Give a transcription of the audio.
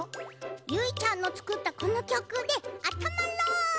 ゆいちゃんのつくったこのきょくであったまろう！